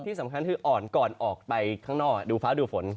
ที่สำคัญคืออ่อนก่อนออกไปข้างนอกดูฟ้าดูฝน